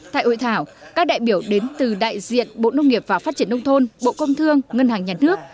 tại hội thảo các đại biểu đến từ đại diện bộ nông nghiệp và phát triển nông thôn bộ công thương ngân hàng nhà nước